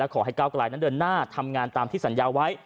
ขอให้ก้าวกลายนั้นเดินหน้าทำงานตามที่สัญญาไว้